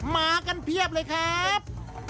มากันเพียบเลยครับ